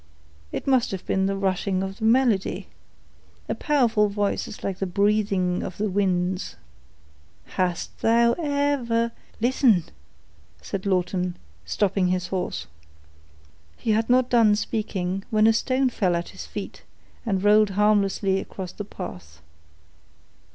"It must have been the rushing of the melody. A powerful voice is like the breathing of the winds. "'Hast thou ever'"— "Listen!" said Lawton, stopping his horse. He had not done speaking, when a stone fell at his feet, and rolled harmlessly across the path.